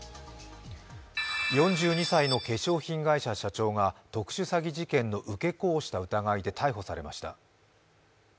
４２歳の化粧品会社社長が特殊詐欺事件の受け子をした疑いで逮捕されました。